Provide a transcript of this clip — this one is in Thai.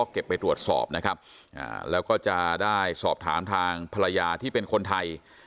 ไปตรวจสอบนะครับแล้วก็จะได้สอบถามทางภรรยาที่เป็นคนไทย